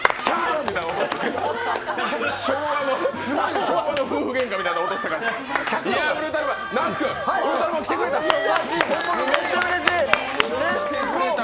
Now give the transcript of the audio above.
昭和の夫婦げんかみたいな音がした。